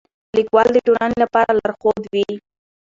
لیکوال د ټولنې لپاره لارښود وي.